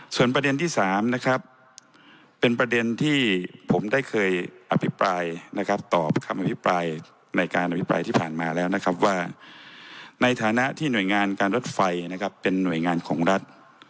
ส่วนประเด็นที่๓นะครับเป็นประเด็นที่ผมได้เคยอภิปรายนะครับตอบคำอภิปรายในการอภิปรายที่ผ่านมาแล้วนะครับว่าในฐานะที่หน่วยงานการรถไฟนะครับเป็นหน่วยงานของรัฐ